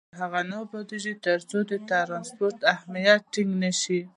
افغانستان تر هغو نه ابادیږي، ترڅو د ترانسپورت امنیت ټینګ نشي.